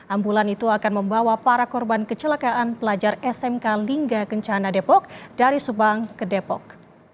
ambulan itu akan membawa para korban kecelakaan pelajar smk lingga kencana depok dari subang ke depok